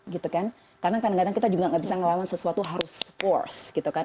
karena kadang kadang kita juga tidak bisa melawan sesuatu yang harus kuat